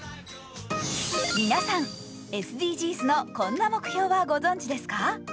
皆さん、ＳＤＧｓのこんな目標はご存じですか？